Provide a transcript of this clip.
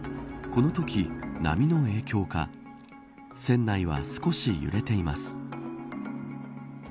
このとき、波の影響か船内は少し揺れています。